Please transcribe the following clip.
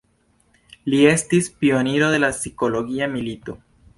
Li estis pioniro de la psikologia milito.